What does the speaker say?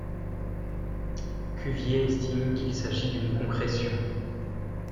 Cuvier estime qu'il s'agit d'une concrétion.